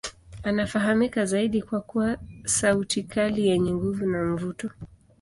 Anafahamika zaidi kwa kuwa sauti kali yenye nguvu na mvuto.